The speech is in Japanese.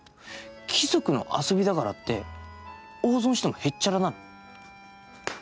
貴族の遊びだからって大損してもへっちゃらなの？